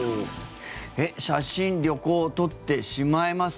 写真、旅行撮ってしまいます。